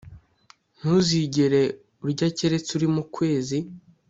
ntuzigere urya keretse uri mu kwezi